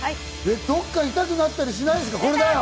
どっか痛くなったりしないの？